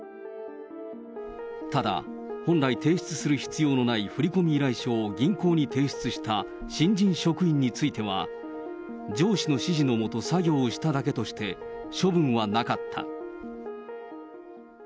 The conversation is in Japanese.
ただ、本来、提出する必要のない振り込み依頼書を銀行に提出した新人職員については、上司の指示の下作業しただけとして、処分はなかった。